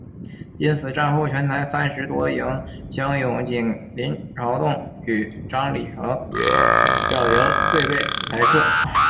因此战后全台三十多营乡勇仅林朝栋与张李成两营未被裁撤。